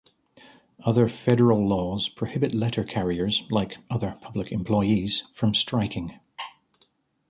Other federal laws prohibit letter carriers, like other public employees, from striking.